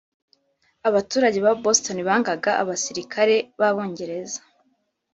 abaturage ba boston bangaga abasirikare b'abongereza.